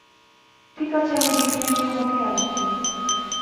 ঠিক আছে, আমি বিশ মিনিটের মধ্যে আসছি।